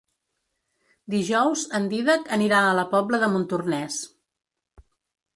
Dijous en Dídac anirà a la Pobla de Montornès.